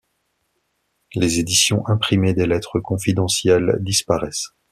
Les éditions imprimées des lettres confidentielles disparaissent.